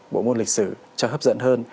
bộ môn lịch sử cho hấp dẫn hơn